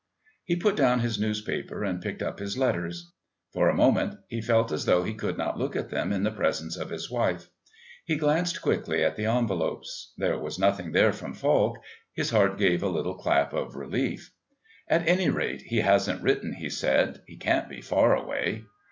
He put down his newspaper and picked up his letters. For a moment he felt as though he could not look at them in the presence of his wife. He glanced quickly at the envelopes. There was nothing there from Falk. His heart gave a little clap of relief. "At any rate, he hasn't written," he said. "He can't be far away."